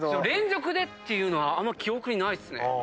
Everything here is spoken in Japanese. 連続でっていうのはあんま記憶ないですね。